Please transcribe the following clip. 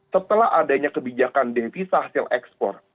setelah adanya kebijakan devisa hasil ekspor